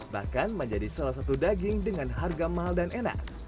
bahkan menjadi salah satu daging dengan harga mahal dan enak